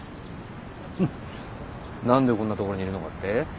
何でこんなところにいるのかって？